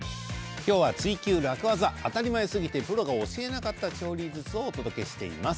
今日は「ツイＱ楽ワザ」当たり前すぎてプロが教えなかった調理術をお伝えしています。